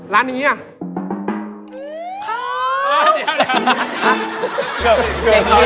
ร้านอันงี้จริงไหม